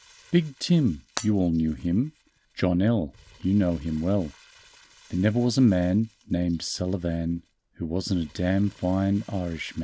"Big Tim, you all knew him; John L., you know him well. There never was a man, named Sullivan Who wasn't a d fine Irishman."